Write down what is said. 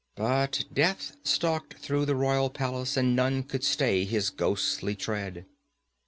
But Death stalked through the royal palace and none could stay his ghostly tread.